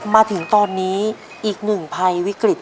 มาถึงตอนนี้อีกหนึ่งภัยวิกฤต